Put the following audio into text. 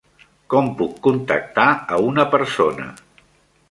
Com puc contactar a una persona?